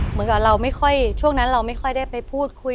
เหมือนกับเราไม่ค่อยช่วงนั้นเราไม่ค่อยได้ไปพูดคุย